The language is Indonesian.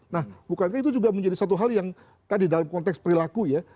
nah bukankah itu juga menjadi satu hal yang tadi dalam konteks perilaku ya